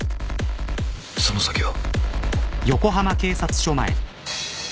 その先は。